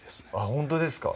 ほんとですか